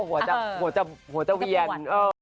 หัวจะเวียน